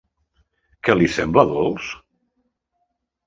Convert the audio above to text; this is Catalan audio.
Què li sembla dolç?